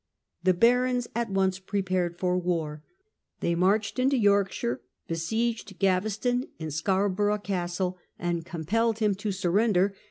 The barons at once prepared for war. They marched into Yorkshire, besieged Gaveston in Scarborough Castle, and compelled him to surrender.